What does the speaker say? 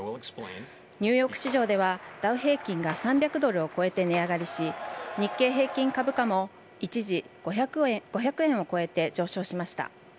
ニューヨーク市場ではダウ平均が３００ドルを超えて値上がりし日経平均株価も一時５００円を超えて上昇しました。